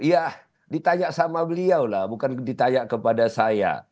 ya ditanya sama beliau lah bukan ditanya kepada saya